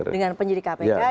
dengan penyidik kpk